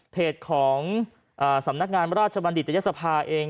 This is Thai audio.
เพจของสำนักงานราชบัณฑิตยศภาเอง